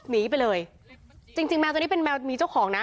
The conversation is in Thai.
นีไปเลยจริงแมวเจ้านี้เป็นแมวมีเจ้าของนะ